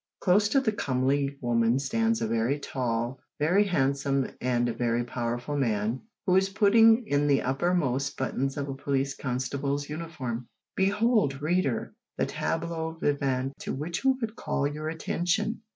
Close to the comely woman stands a very tall, very handsome, and very powerful man, who is putting in the uppermost buttons of a police constable's uniform. Behold, reader, the tableau vivant to which we would call your attention!